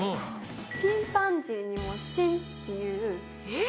「チンパンジー」にも「チン」っていう。